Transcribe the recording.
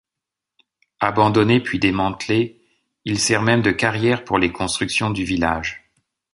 Abandonné puis démantelé, il sert même de carrière pour les constructions du village.